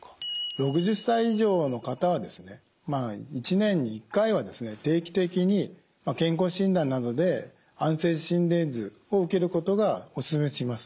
６０歳以上の方は１年に１回は定期的に健康診断などで安静時心電図を受けることがお勧めします。